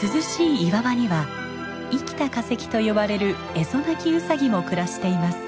涼しい岩場には生きた化石と呼ばれるエゾナキウサギも暮らしています。